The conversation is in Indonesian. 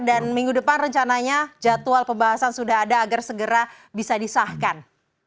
dan minggu depan rencananya jadwal pembahasan sudah ada agar segera bisa disahkan